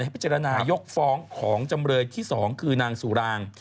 พิจารณายกฟ้องของจำเลยที่๒คือนางสุราง